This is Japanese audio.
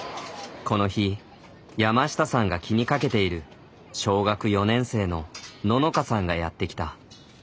この日山下さんが気にかけている小学４年生のののかさんがやって来た。